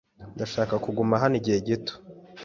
Ndashaka kuguma hano igihe gito.